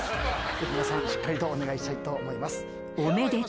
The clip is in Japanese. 皆さんしっかりとお願いしたいと思います。